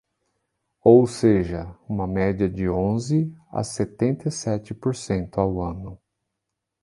Ou seja, uma média de onze a setenta e sete por cento ao ano.